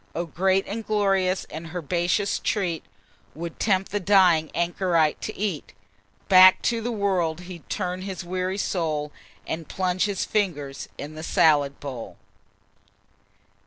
Oh! great and glorious, and herbaceous treat, 'Twould tempt the dying anchorite to eat. Back to the world he'd turn his weary soul, And plunge his fingers in the salad bowl."